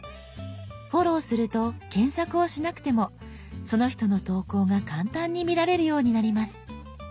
フォローすると検索をしなくてもその人の投稿が簡単に見られるようになります。